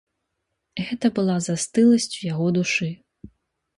Гэта была застыласць у яго душы.